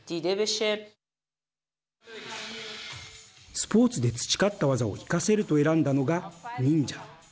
スポーツで培った技を生かせると選んだのが忍者。